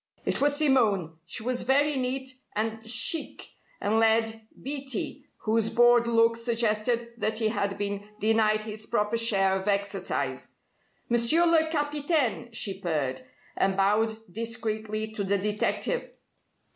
It was Simone. She was very neat and chic, and led Beatty, whose bored look suggested that he had been denied his proper share of exercise. "Monsieur le Capitaine!" she purred; and bowed discreetly to the detective.